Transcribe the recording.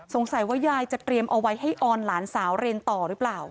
สงสัยว่ายายจะเตรียมเอาไว้ให้ออนหลานสาวเรียนต่อหรือเปล่า